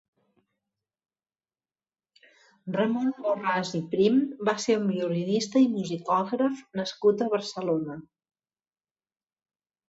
Ramon Borràs i Prim va ser un violinista i musicògraf nascut a Barcelona.